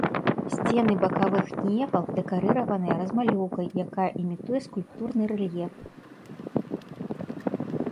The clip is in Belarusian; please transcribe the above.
Сцены бакавых нефаў дэкарыраваныя размалёўкай, якая імітуе скульптурны рэльеф.